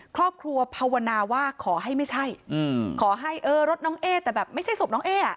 ครอบครัวภาวนาว่าขอให้ไม่ใช่ขอให้เออรถน้องเอ๊แต่แบบไม่ใช่ศพน้องเอ๊อ่ะ